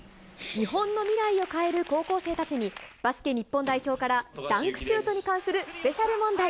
日本の未来を変える高校生たちに、バスケ日本代表からダンクシュートに関するスペシャル問題。